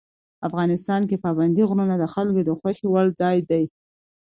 افغانستان کې پابندی غرونه د خلکو د خوښې وړ ځای دی.